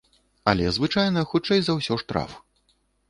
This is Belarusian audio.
Але звычайна, хутчэй за ўсё, штраф.